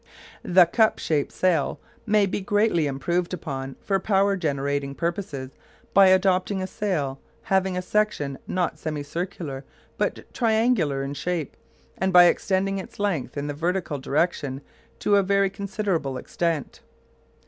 The cup shaped sail may be greatly improved upon for power generating purposes by adopting a sail having a section not semicircular but triangular in shape, and by extending its length in the vertical direction to a very considerable extent.